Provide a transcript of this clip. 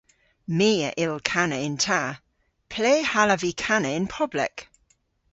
My a yll kana yn ta. Ple hallav vy kana yn poblek?